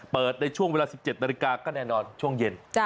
ในช่วงเวลา๑๗นาฬิกาก็แน่นอนช่วงเย็น